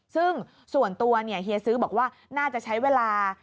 ซึ่งส่วนตัวเฮียซื้อบอกว่าน่าจะใช้เวลา